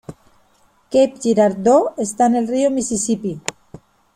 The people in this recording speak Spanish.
Cape Girardeau está en el río Mississippi.